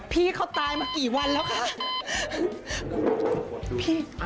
พี่เขาตายมากี่วันแล้วคะ